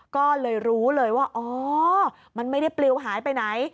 ก็เลยรู้เลยว่าอ๋อมันไม่ได้ปลิวหายไปไหน